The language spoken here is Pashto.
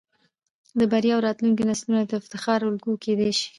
د بريا او راتلونکو نسلونه د افتخار الګو کېدى شي.